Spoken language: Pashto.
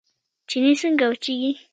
چينې څنګه وچیږي؟